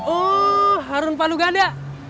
oh harun palu ganda